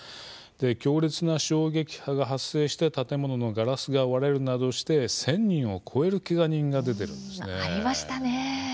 強烈な衝撃波が発生して建物のガラスが割れるなどして１０００人を超えるけが人が出ました。